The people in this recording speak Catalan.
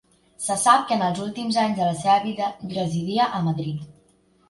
Se sap que en els últims anys de la seva vida residia a Madrid.